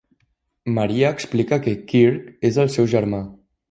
Maria explica que Kirk és el seu germà.